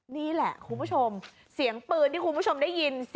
นี่แหละคุณผู้ชมเสียงปืนที่คุณผู้ชมได้ยิน